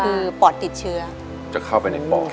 คือปอดติดเชื้อ